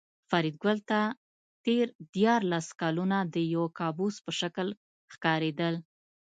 فریدګل ته تېر دیارلس کلونه د یو کابوس په شکل ښکارېدل